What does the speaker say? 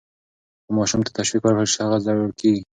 که ماشوم ته تشویق ورکړل شي، هغه زړور کیږي.